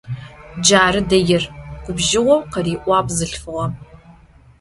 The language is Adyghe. Carı deir ,— gubjjığeu khari'uağ bzılhfığem.